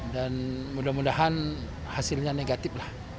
dan mudah mudahan hasilnya negatif lah